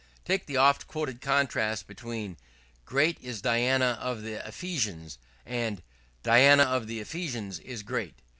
Take the often quoted contrast between "Great is Diana of the Ephesians," and "Diana of the Ephesians is great."